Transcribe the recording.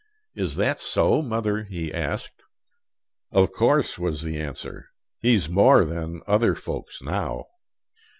"Is that so, mother?" he asked. "Of course," was the answer: "he's more than other folks now."